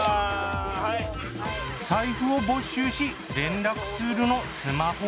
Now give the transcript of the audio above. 財布を没収し連絡ツールのスマホを支給。